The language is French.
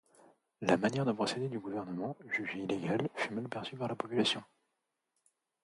La manière de procéder du gouvernement, jugée illégale, fut mal perçue par la population.